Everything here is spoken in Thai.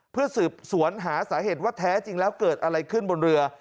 เพื่อสืบสวนหาสาเหตุว่าแท้จริงแล้วเกิดอะไรขึ้นบนเรือ